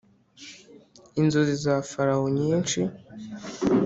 inzozi za farawo nyinshi